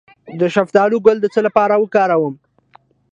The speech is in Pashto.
د شفتالو ګل د څه لپاره وکاروم؟